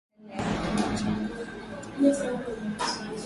Alihukumia kifungo cha miaka kumi na tano jela